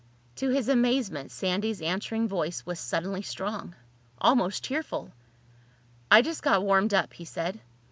To his amazement Sandy's answering voice was suddenly strong—almost cheerful. "I just got warmed up," he said.